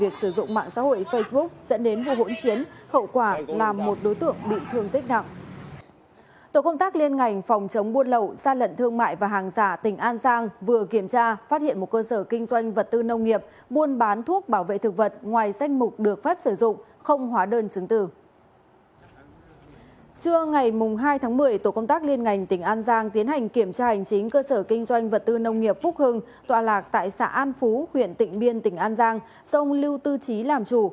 trưa ngày hai tháng một mươi tổ công tác liên ngành tỉnh an giang tiến hành kiểm tra hành chính cơ sở kinh doanh vật tư nông nghiệp phúc hưng tọa lạc tại xã an phú huyện tịnh biên tỉnh an giang sông lưu tư chí làm chủ